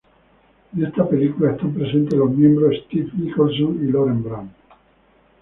En esta película, están presentes los miembros Stevie Nicholson y Lauren Brant.